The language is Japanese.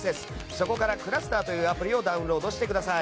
そこからｃｌｕｓｔｅｒというアプリをダウンロードしてください。